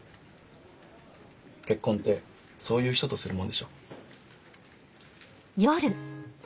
結婚ってそういう人とするもんでしょ。